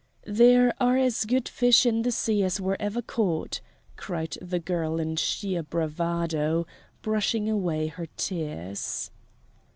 "There are as good fish in the sea as were ever caught," cried the girl in sheer bravado, brushing away her tears.